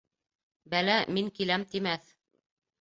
Бәлә «мин киләм» тимәҫ.